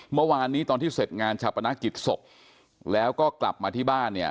เมื่อวานนี้ตอนที่เสร็จงานชาปนกิจศพแล้วก็กลับมาที่บ้านเนี่ย